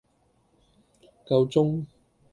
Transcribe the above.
夠鐘